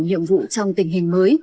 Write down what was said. nhiệm vụ trong tình hình mới